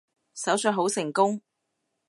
手術好成功